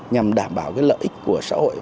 nhằm đảm bảo cái lợi ích của xã hội